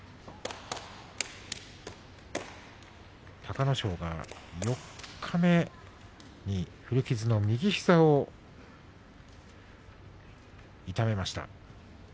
隆の勝が四日目に古傷の右膝を痛めました。